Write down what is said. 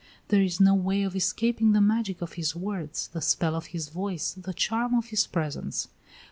There is no way of escaping the magic of his words, the spell of his voice, the charm of his presence.